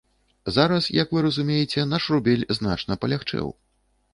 Зараз, як вы разумееце, наш рубель значна палягчэў.